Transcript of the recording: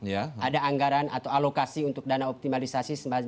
ya ada anggaran atau alokasi untuk dana optimalisasi sebanyak lima puluh delapan triliun